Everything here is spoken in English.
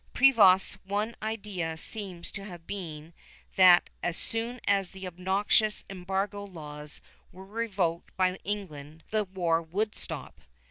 Prevost's one idea seems to have been that as soon as the obnoxious embargo laws were revoked by England, the war would stop.